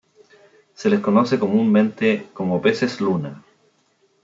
Se les conoce comúnmente como peces luna.